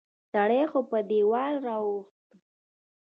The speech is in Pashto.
سړی خو په دیوال را واوښت